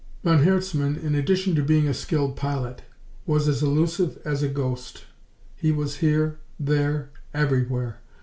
Von Herzmann, in addition to being a skilled pilot, was as elusive as a ghost. He was here, there, everywhere.